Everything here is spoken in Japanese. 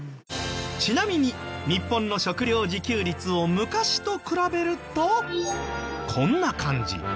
ちなみに日本の食料自給率を昔と比べるとこんな感じ。